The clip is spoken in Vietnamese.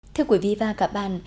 thưa quý vị và các bạn